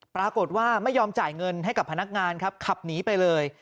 ปรากฏว่าไม่ยอมจ่ายเงินให้กับพนักงานครับขับหนีไปเลย